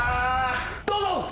どうぞ！